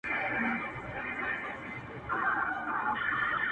هره لوېشت مي د نيکه او بابا ګور دی-